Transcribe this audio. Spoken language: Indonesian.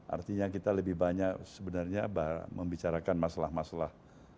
artinya kita lebih banyak sebenarnya membicarakan masalah masalah